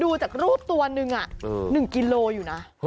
ดูจากรูปตัวหนึ่ง๑กิโลอยู่นะ